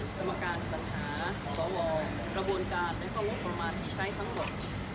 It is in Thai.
กรรมการสัญหาสวกระบวนการและก็งบประมาณที่ใช้ทั้งหมด